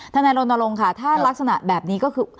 นายรณรงค์ค่ะถ้ารักษณะแบบนี้ก็คือ